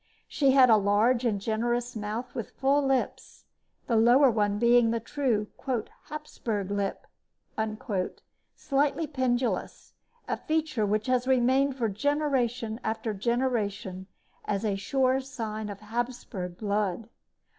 She had a large and generous mouth with full lips, the lower one being the true "Hapsburg lip," slightly pendulous a feature which has remained for generation after generation as a sure sign of Hapsburg blood.